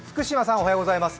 おはようございます。